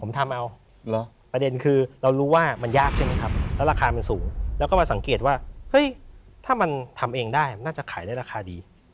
ผมทำเอาเหรอประเด็นคือเรารู้ว่ามันยากใช่ไหมครับแล้วราคามันสูงแล้วก็มาสังเกตว่าเฮ้ยถ้ามันทำเองได้น่าจะขายได้ราคาดี